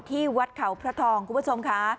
ที่วัดเขาพระทองคุณผู้ชมค่ะ